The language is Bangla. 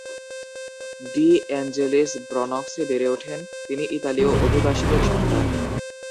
ডি এঞ্জেলিস ব্রনক্সে বেড়ে ওঠেন। তিনি ইতালীয় অভিবাসীদের সন্তান।